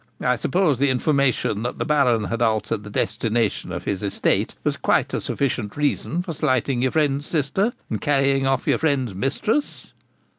I suppose the information that the Baron had altered the destination of his estate was quite a sufficient reason for slighting your friend's sister and carrying off your friend's mistress.'